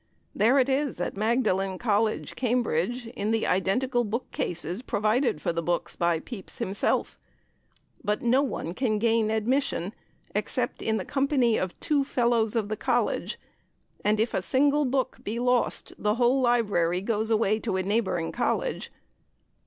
There it is at Magdalene College, Cambridge, in the identical book cases provided for the books by Pepys himself; but no one can gain admission except in company of two Fellows of the College, and if a single book be lost, the whole library goes away to a neighbouring college.